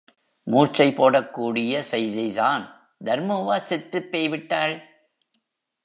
மூர்ச்சை போடக் கூடிய செய்திதான்... தர்மூவா செத்துப் பேய் விட்டாள்?